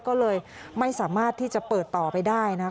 ก็เลยไม่สามารถที่จะเปิดต่อไปได้นะครับ